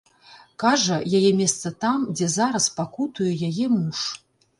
Кажа, яе месца там, дзе зараз пакутуе яе муж.